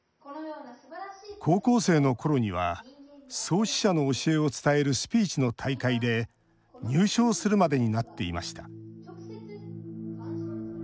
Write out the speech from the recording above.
高校生のころには創始者の教えを伝えるスピーチの大会で入賞するまでになっていました